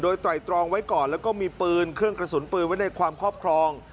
โดยไตรตรองไว้ก่อนแล้วก็มีปืนเครื่องกระสุนปืนไว้ในความครอบครอง